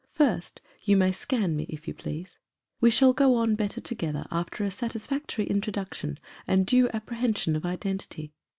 First, you may scan me, if you please. We shall go on better together after a satisfactory introduction and due apprehension of identity.